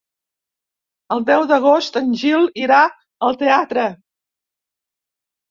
El deu d'agost en Gil irà al teatre.